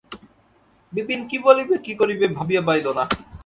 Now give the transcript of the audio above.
বিপিন কী বলিবে কী করিবে ভাবিয়া পাইল না।